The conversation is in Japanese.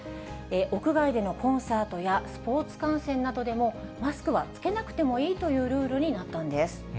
屋外でのコンサートやスポーツ観戦などでも、マスクは着けなくてもいいというルールになったんです。